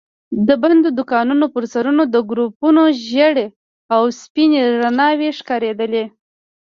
د بندو دوکانونو پر سرونو د ګروپونو ژېړې او سپينې رڼا وي ښکارېدلې.